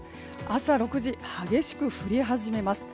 朝６時、激しく降り始めます。